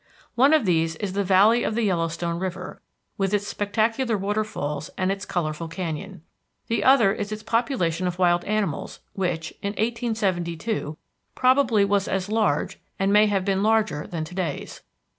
One of these is the valley of the Yellowstone River with its spectacular waterfalls and its colorful canyon. The other is its population of wild animals which, in 1872, probably was as large and may have been larger than to day's.